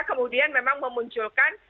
kemudian memang memunculkan